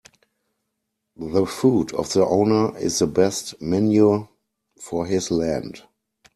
The foot of the owner is the best manure for his land.